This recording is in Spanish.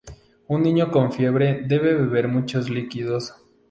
Un niño con fiebre debe beber muchos líquidos.